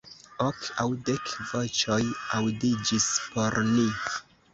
Ok aŭ dek voĉoj aŭdiĝis por ni.